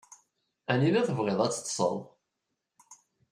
Anida tebɣiḍ ad teṭṭseḍ?